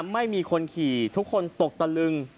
ไม่มีคนขี่ทุกคนตกตะลึง